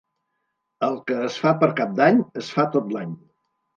El que es fa per Cap d'Any, es fa tot l'any.